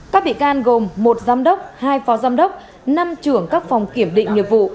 các bị can gồm một giám đốc hai phó giám đốc năm trưởng các phòng kiểm định nghiệp vụ